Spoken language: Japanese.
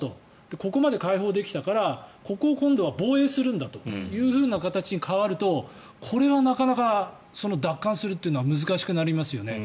ここまで解放できたからここを今度は防衛するんだという形に変わるとそれはなかなか奪還するというのは難しくなりますよね。